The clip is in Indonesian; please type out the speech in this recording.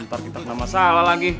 ntar kita kena masalah lagi